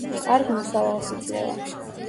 კარგ მოსავალს იძლევა.